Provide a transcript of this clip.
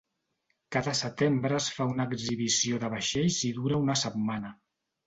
Cada setembre es fa una exhibició de vaixells i dura una setmana.